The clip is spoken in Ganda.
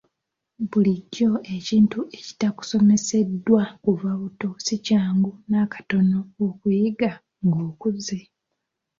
Bulijjo ekintu ekitakusomeseddwa kuva buto si kyangu nakatono okukiyiga ng'okuze.